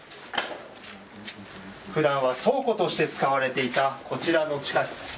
ふだんは倉庫として使われていた、こちらの地下室。